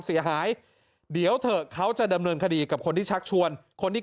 เสียหายเดี๋ยวเถอะเขาจะดำเนินคดีกับคนที่ชักชวนคนที่